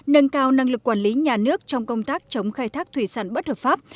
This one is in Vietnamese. nâng cao năng lực quản lý nhà nước trong công tác chống khai thác thủy sản bất hợp pháp